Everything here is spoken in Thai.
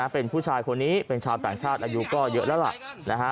เป็นผู้ชายคนนี้เป็นชาวต่างชาติอายุก็เยอะแล้วล่ะ